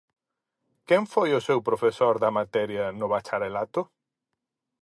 Quen foi o seu profesor da materia no bacharelato?